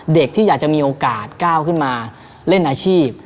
เด็กที่อยากจะมีโอกาสก้าวขึ้นมาเล่นอาชีพ